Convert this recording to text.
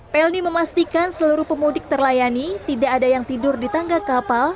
pelni memastikan seluruh pemudik terlayani tidak ada yang tidur di tangga kapal